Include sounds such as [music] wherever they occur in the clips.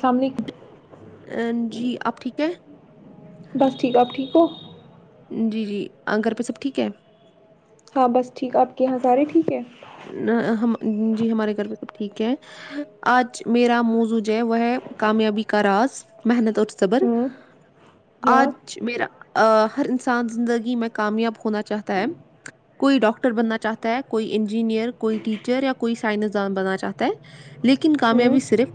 سامنے [unintelligible] ا جی آپ ٹھیک ہے [unintelligible] دو [unintelligible] جی جی گھر پہ سب ٹھیک ہے [unintelligible] ہاں بس ٹھیک آپ کے یہاں سارے ٹھیک ہے نہ ہم ہم [unintelligible] جی ہمارے گھر پہ سب ٹھیک ہے آج میرا مز [unintelligible] ہے وہ ہے کامیابی کے [unintelligible] کراس محنت [unintelligible] صبر ہوں ہاں آج میرا [unintelligible] ہر انسان زندگی میں کامیاب ہونا چاہتا ہے کوئی ڈاکٹر بننا چاہتا ہے کوئی [unintelligible] انجینئر کوئی ٹیچر یا کوئی سائنسدان بنا چاہتا ہے [unintelligible] ا [unintelligible] لیکن ہوں کامیابی صرف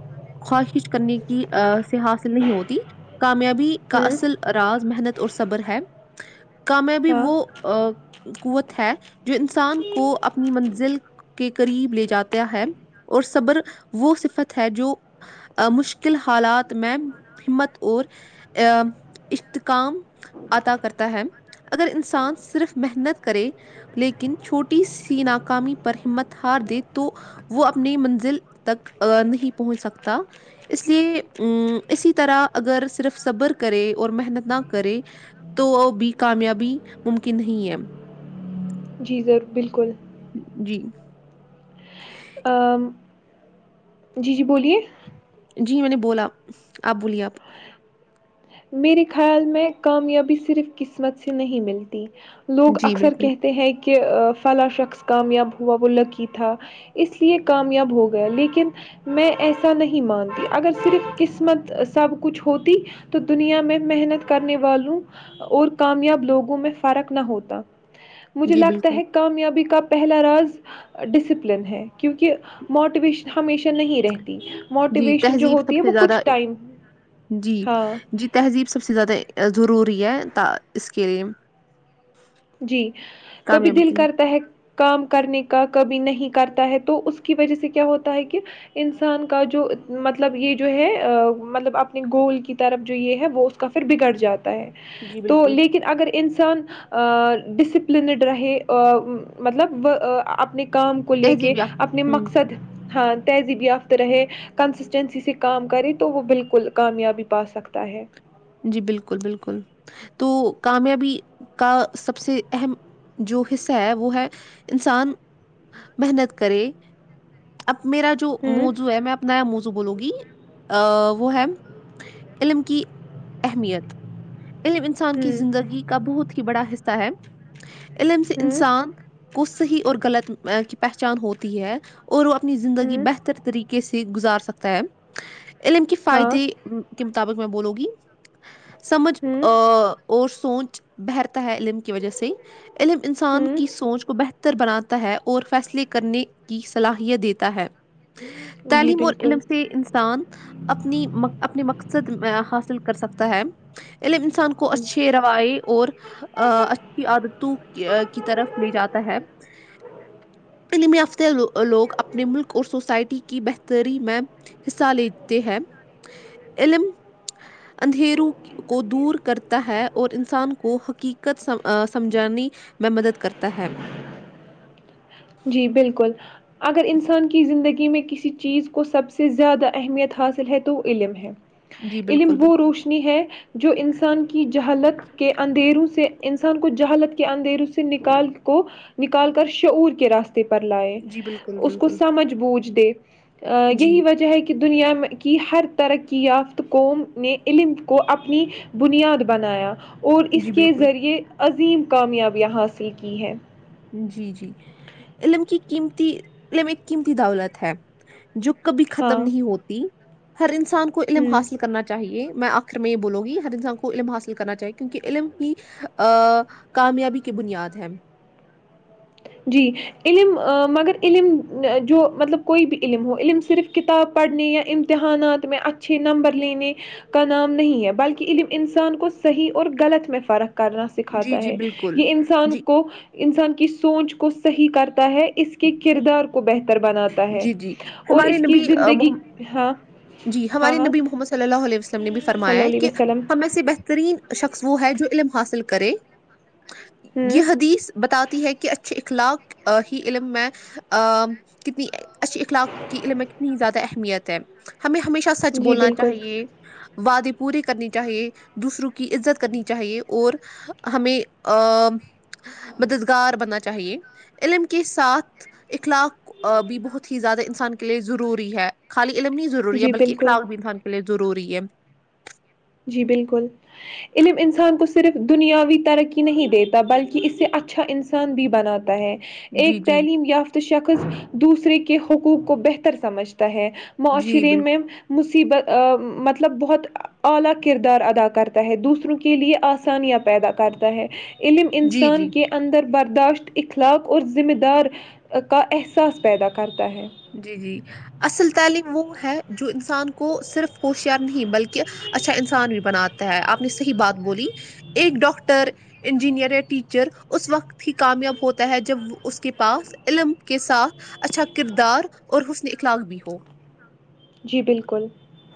خواہش کرنے [unintelligible] کی آف [unintelligible] سے حاصل نہیں ہوتی کامیابی کا ہوں اصل راز محنت اور صبر ہے [unintelligible] کام ہے بھی ہاں وہ [unintelligible] قوت ہے جو انسان کو اپ [unintelligible] اپنی منزل کے قریب لے جاتا ہے اور صبر وہ صفت ہے جو مشکل حالات میں ہمت اور ا اشتکام عطا کرتا ہے اگر انسان صرف محنت کرے لیکن چھوٹی [unintelligible] ناکامی پر ہمت ہار دے تو وہ اپنی منزل تک نہیں پہنچ سکتا اس لیے ا اسی طرح اگر صرف صبر کرے اور محنت نہ کرے تو بھی کامیابی ممکن نہیں ہے [unintelligible] جی ضر بالکل [unintelligible] جی [unintelligible] ا جی جی بولیے [unintelligible] جی میں نے بولا آپ بولیے آپ [unintelligible] میرے خیال میں کامیابی صرف قسمت سے نہیں ملتی لوگ جی اکثر بالکل کہتے ہیں کہ [unintelligible] کہ فلاں شخص کامیاب ہوا وہ لکی تھا اس لیے کامیاب ہو گیا لیکن میں ایسا نہیں مانتی اگر صرف قسمت سب کچھ ہوتی [unintelligible] تو دنیا میں محنت کرنے والوں اور کامیاب لوگوں میں فرق نہ ہوتا مجھے جی لگتا بالکل ہے کامیابی کا پہلا راز ڈسپلن ہے کیونکہ موٹیویشن ہمیشہ نہیں رہتی جی موٹیویشن جو تہذیب سب ہوتی ہے سے وہ زیادہ کچھ ٹائم جی ہاں جی تہذیب سب سے زیادہ ضروری ہے ت [unintelligible] اسکیم [unintelligible] جی کبھی دل لیے کرتا ہے کام کرنے کا کبھی نہیں کرتا ہے تو اس کی وجہ سے کیا ہوتا ہے کہ انسان کا جو مطلب یہ جو ہے مطلب اپنے گول کی طرف جو یہ ہے وہ اس کا پھر بگڑ جاتا ہے جی تو بالکل لیکن اگر ان سے سان ڈسپلنڈ رہے مطلب اپنے کام کو لے کے تہذیب یا اپنے ہ مقصد ہاں تہذیب یافت رہے کنسسٹینسی سے کام کرے تو وہ بالکل کامیابی پا سکتا ہے جی بالکل بالکل تو کامیابی کا سب سے اہم جو حصہ ہے وہ ہے انسان محنت کرے اپ میرا جو ہوں موضوع ہے میں آپ نیا موضو بولوں گی ا وہ ہے علم کی اہمیت علم انسان کی ہوں زندگی کا بہت ہی بڑا حصہ ہے علم سے ہوں انسان کو صحیح اور غلط ا کی پہچان ہوتی ہے اور وہ اپنی زندگی ہوں بہتر طریقے سے گزار سکتا ہے علم کی ہاں فائدے مطابق میں بولوںی سمج ا ہوں اور سوچ بہرتا ہے علم کی وجہ سے علم انسان ہوں کی سوچ کو بہتر بناتا ہے اور فیصلے کرنے کی صلاحیت دیتا ہے جی تعلیم اور بالکل علم سے انسان اپنی اپنے مقصد حاصل کر سکتا ہے علم انسان کو اچھے روای اور اچھی عادتوں کی طرف لے جاتا ہے عللم یافتہ لوگ اپنے ملک اور سوسائٹی کی بہتری میں حصہ لیتے ہیں علم اندھیرو کو دور کرتا ہے اور انسان کو حقیق قت سم سمجانی میں مدد کرتا ہے جی بالکل اگر انسان کی زندگی میں کسی چیز کو سب سے زیادہ اہمیت حاصل ہے تو وہ علم ہے جی علم بالکل وہ بالکل روشنی ہے جو انسان کی جہالت کے اندھیروں سے انسان کو جہالت کے اندھیروں سے نکال کو نکال کر شعور کیا کے راستے پر لائے جی بالکل اس کو بالکل سمجھ بوجھ دے [inaudible] جی یہی وجہ ہے کہ دنیا کی ہر ترق یافت قوم نے علم کو اپنی بنیاد بنایا اور اس جی کے بالکل ذریعے عظیم کامیابیاں حاصل کی ہیں جی جی علم کی قیمتی ایک قیمتی دولت ہے جو کبھی ختم ہاں نہیں ہوتی ہر انسان انسان کو علم ہوں حاصل کرنا چاہیے میں آخر میں یہ بولوں گی ہر انسان کو علم حاصل کرنا چاہیے کیونکہ علم ہی کامیابی کی بنیاد ہے جی علم مگر علم جو مطلب کوئی بھی علم ہو علم صرف کتاب پڑھنے یا امتحانات میں اچھے نمبر لینے کا نام نہیں ہے بلکہ علم انسان کو صحیح اور غلط میں فرق کرنا جی سکھاتا جی ہے بالکل یہ انسان جی کو انسان کی سوچ کو صحیح کرتا ہے اس کے کردار کو کو بہتر بناتا ہے جی جی اور ہمارے اس کی نبی آ، زندگی محمد ہاں جی ہاں ہمارے ہاں نبی محمد صلی اللہ علیہ وسلم نے بھی صلی فرمایا اللہ ہے علیہ کہ وسلم ہم ای سے بہترین شخص وہ ہے جو علم حاصل کرے یہ ہوں حدیث بتاتی ہے کہ اچھے اخلاق ہی علم میں کتنی اچھی اخلاق کی علمت نہیں زیادہ میات تو ہمیں ہمیشہ سچ جی بولنا بالکل چاہیے وعدے پورے کرنی چاہیے دوسروں کی عزت کرنی چاہیے اور ہمیں مددگار بننا چاہیے علم کے ساتھ اخلاق بھی بہت ہی زیادہ انسان کے لیے ضروری ہے خالی علم نہیں ضروری ہے جی بلکہ بالکل اخلاق بھی انسان کے لی ضروری ہے جی بالکل علم انسان کو صرف دنیاوی ترقی نہیں دیتا بلکہ اسے اچھا انسان بھی بناتا ہے جی ایک جی تعلیم یافت شخص دوسرے کی کے حقوق کو بہتر سمجھتا ہے جی معاشرے میں بالکل مصیبت مطلب بہت [unintelligible] [unintelligible] علم جی انسان جی کے اندر بر داشت اخلاق اور ذمہ دار کا احساس پیدا کرتا [unintelligible] جی جی اصل تعلیم [unintelligible] وہ ہے جو انسان کو صرف ہوشیار نہیں بلکہ اچھا انسان بھی بناتا ہے آپ نے صحیح بات بولی ایک ڈاکٹر انجینئر یا ٹیچر اس وقت ہی کامیاب ہوتا ہے جب اس کے پاس علم کے ساتھ اچھا کردار اور حسن اخلاق بھی ہو جی بالکل [unintelligible]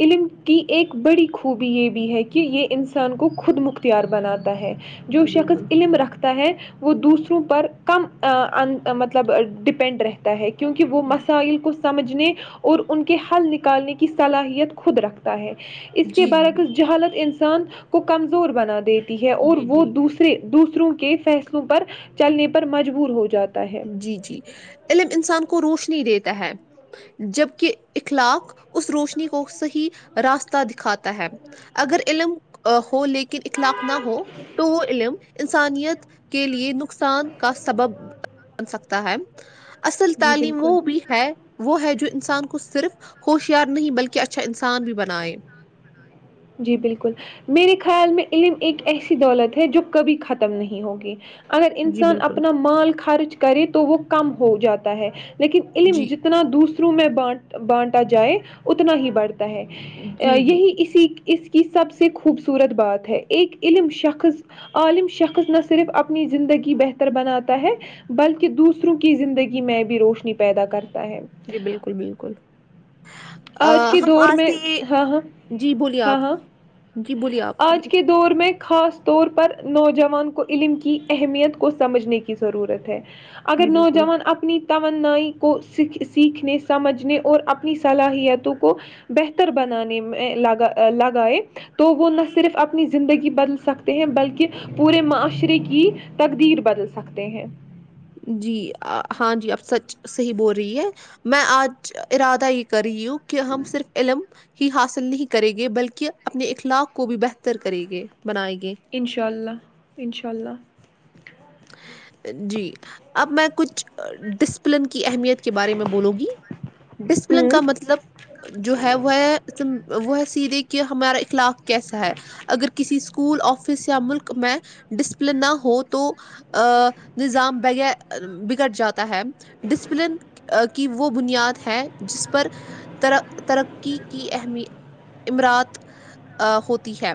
علم کی ایک بڑی خوبی یہ بھی ہے کہ یہ انسان کو خود مختار بناتا ہے جو جی شخص بالکل علم رکھتا ہے وہ دوسروں پر کم مطلب ڈپینڈ رہتا ہے کیونکہ وہ جی مسائل کھ [unintelligible] سمجھنے اور ان کے حل نکالنے کے [unintelligible] کی صلاحیت خود رکھتا ہے [unintelligible] اس کے جی جی برعکس بالکل جہالت انسان ان کو کمزور بنا دیتے [unintelligible] ہے اور جی وہ جی دوسرے دوسروں کے فیصلوں پر چلنے پر مجبور ہو جاتا ہے جی جی علم انسان کو روش دیتا ہے جبکہ اخلاق اس روشنی کو صحیح راستہ دکھاتا ہے اگر علم ہو لے کے [unintelligible] اخلاق نہ ہو تو وہ علم [unintelligible] انسانیت کے لیے نقصان کا سبب [unintelligible] بن سکتا ہے اصل جی تعلیم وہ بالکل بھی ہے وہ ہے جو انس [unintelligible] انسان کو صرف ہوشیار نہیں بلکہ اچھا انسان بھی بنائےیں [unintelligible] جی بالکل میرے خیال میں علم ایک ایسی دولت ہے جو کبھی ختم نہیں ہوگی اگر جی انسان بالکل اپنا مال خرچ کرے تو وہ کم ہو جاتا ہے [unintelligible] لیکن علم جی جتنا دور [unintelligible] میں بان بانٹا جائے اتنا ہی بڑھتا [unintelligible] ہے جی جی یہی اسی [unintelligible] اس کی سب سے خوبصورت بات ہے ایک علم شخص عالم شخص نہ صرف اپنی زندگی بہتر بناتا ہے بلکہ دوسروں کی زندگی میں بھی روشنی پیدا کر جی بالکل بالکل آج کے ہم دور آج میں سے ہاں ہاں جی بولی [unintelligible] ہاں ہاں آج کے دور میں [unintelligible] خاص طور پر نوجوان کو علم کی اہمیت کو سمجھنے کی ضرورت ہے اگر جی بالکل نوجوان اپنی توانائی کو سیکھنے سمجھنے اور اپنی صلاحیتوں کو بہتر بنانے میں لگا لگائے تو وہ نہ صرف اپنی زندگی بدل سکتے ہیں بلکہ پورے معاشرے کی تقدیر بدل سکتے ہیں جی ہاں جی اب سچ صحیح بول رہی ہے میں آج ارادہ یہ کر رہی ہوں کہ ہم صرف علم ہی حاصل نہیں کریں گے بلکہ اپنے اخلاق کو بھی بہتر کریں گے بنائیں گے انشاء اللہ انشاء اللہ جی اب میں کچھ ڈس پلن کی اہمیت کے بارے میں بولو گی ڈسپلن کا ہوں مطلب جو ہے وہ ہے س وہ سیدھے کی کہ ہمارا اخلاق کیسا ہے اگر کسی کو اسکول آفس یا ملک میں ڈسپلن نہ ہو تو آ نظام بغیا گٹ جاتا [unintelligible] ہے ڈسپلن کی وہ وہ بنیاد ہے جس پر ترقی کی امی امرات ہوتی ہے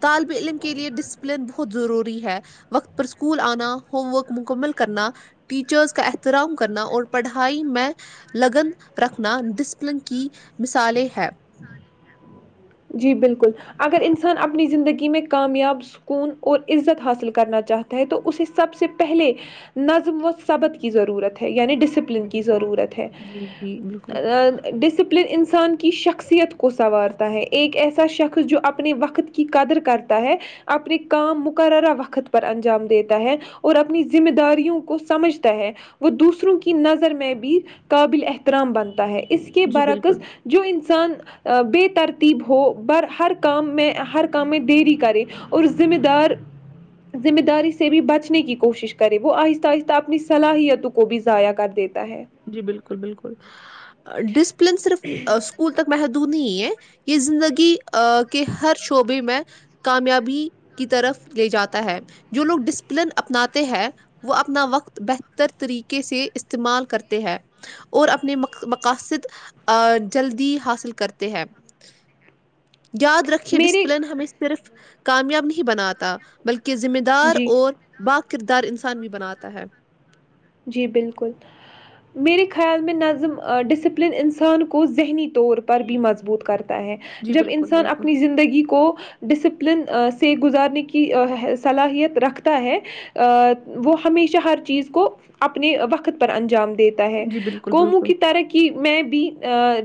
طالب علم کے لیئے ڈسپلن بہت ضروری ہے وقت پر اسکول آنا ہوم ورک مکمل کرنا ٹیچرز کا احترام کرنا اور پڑھائی میں لگن رکھنا ڈسپلن کی مثالیں ہے جی بالکل اگر انسان اپنی زندگی میں کامیاب سکون اور عزت حاصل کرنا چاہتا ہے تو اسے سب سے پہلے نظم و صبب کی ضرورت ہے یعنی ڈسپلن جی کی بالکل ضرورت ہے جی جی بالکل ڈسپل لن انسان کی شخصیت کو سنوارتا ہے ایک ایسا شخص جو اپنے وقت کی قدر کرتا ہے اپنے کام مقررہ وقت پر انجام دیتا ہے اور اپنی ذمہ داریوں کو سمجھتا ہے وہ دوسروں کی نظر میں بھی قابل احترام بنتا ہے اس کے جی برعکس بالکل جو انسان بے ترقی ہو ہر کام میں ہر کام میں دری کرے اور ذمہ دار ذمہ داری سے بھی بچنے کی کوشش کرے وہ آہستہ آہستہ اپنی صلاحیتوں کو بھی ضائع کر دیتے جی بالکل بالکل ڈسپلن صرف اسکول تک محد نہیں یہ زندگی کے ہر شعبے میں کامیابی کی طرف لے جاتا ہے جو لوگ ڈسپلن اپناتے ہیں وہ اپنا وقت بہتر طریقے سے استعمال کرتے ہیں اور اپنے مقاصد جلدی حاصل کرتے ہیں یاد رکے میرے ڈسپلن ہمیں صرف کامیاب نہیں بنااتا بلکہ کے ذمہ دار جی اور باقی کردار انسان بھی بناتا ہے جی بالکل میرے خیال میں نظم ڈسپلن انسان کو ذہنی طور پر بھی مضبوط کرتا ہے جی جب بالکل انسان بالکل اپنی زندگی کو ڈسپلن سے گزارنے کی صلاحیت رکھتا ہے وہ ہمیشہ ہر چیز کو اپنے وقت پر انجام د دیتا ہے جی بالکل کومو بالکل کی طرحی میں بھی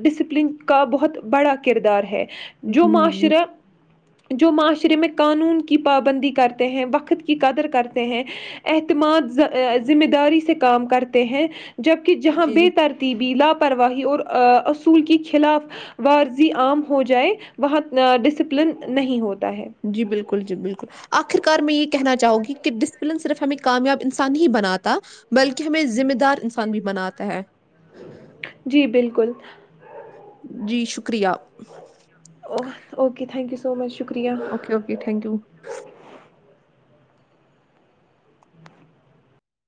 ڈسپ پلن کا بہت بڑا کردار ہے جو جی جی معاشرہ جو معاشرہ میں قانون کی پابندی کرتے ہیں وقت کی قدر کرتے ہیں اعتماد ذمہ داری سے کام کرتے ہیں تو جبکہ جہاں جی بے ترتیبی لاپرواہی اور اصول کی خلاف ورارضی عام ہو جائے وہاں ڈسپلن نہیں ہوتا ہے جی بالکل جی بالکل آخرکار میں یہ کہنا چاہو گی کہ ڈسپلن صرف ہمیں کامیاب انسان ہی بناتا بلکہ ہمیں ذمہ دار انسان بھی بناتا ہے جی بالکل جی شکریہ ا okay thank you so much شکریہ اوکے اوکے تٹھینک یو